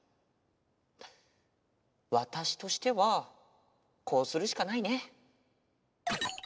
わたしとしてはこうするしかないね。